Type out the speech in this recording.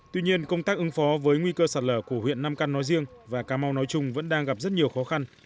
tuy nhiên công tác ứng phó với nguy cơ sạt lở của huyện nam căn nói riêng và cà mau nói chung vẫn đang gặp rất nhiều khó khăn